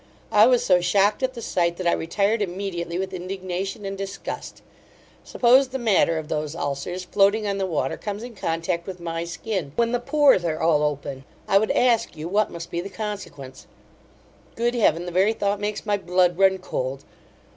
I was so shocked at the sight, that I retired immediately with indignation and disgust Suppose the matter of those ulcers, floating on the water, comes in contact with my skin, when the pores are all open, I would ask you what must be the consequence? Good Heaven, the very thought makes my blood run cold!